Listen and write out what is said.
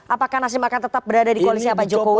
apakah nasdem akan tetap berada di koalisnya pak jokowi